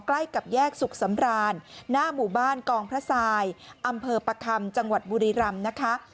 ใกล้กับแยกสุขสำรานหน้าหมู่บ้านกองพระทรายอำเภอประคำจังหวัดบุรีรำนะคะ